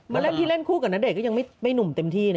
มาเล่นที่เล่นคู่กับนัดเด๊กยังไม่หนุ่มเต็มที่